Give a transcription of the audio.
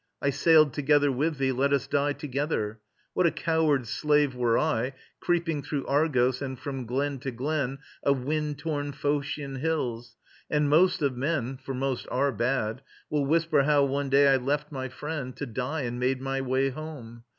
I sailed together with thee; let us die Together. What a coward slave were I, Creeping through Argos and from glen to glen Of wind torn Phocian hills! And most of men For most are bad will whisper how one day I left my friend to die and made my way Home.